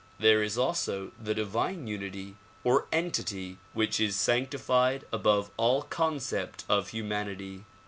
There is also the divine unity or entity which is sanctified above all concept of humanity.